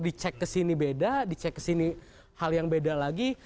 di cek kesini beda di cek kesini hal yang beda lagi